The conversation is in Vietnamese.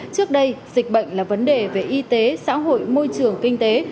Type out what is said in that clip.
trước đây dịch bệnh là vấn đề về y tế xã hội môi trường kinh tế